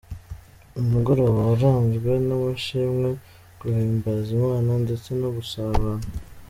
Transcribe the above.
Ni umugoroba waranzwe n'amashimwe, guhimbaza Imana ndetse no gusabana.